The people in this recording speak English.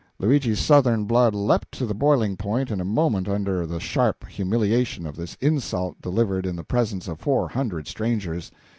Luigi's southern blood leaped to the boiling point in a moment under the sharp humiliation of this insult delivered in the presence of four hundred strangers.